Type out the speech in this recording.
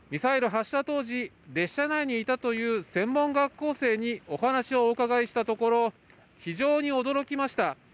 ミサイル発射当時、車内にいたという専門学校生にお話をお伺いしたところ、非常に驚きました。